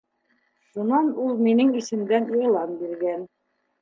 Шунан ул минең исемдән иғлан биргән.